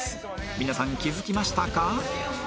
皆さん気づきましたか？